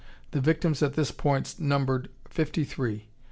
The victims at this one point numbered fifty three.